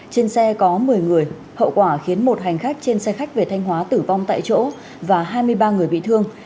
trên xe có một mươi người hậu quả khiến một hành khách trên xe khách về thanh hóa tử vong tại chỗ và hai mươi ba người bị thương